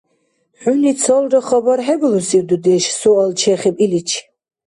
– ХӀуни цалра хабар хӀебалусив, дудеш? – суал чехиб иличи.